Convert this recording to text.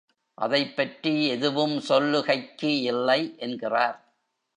அதைப்பற்றி எதுவும் சொல்லுகைக்கு இல்லை என்கிறார்.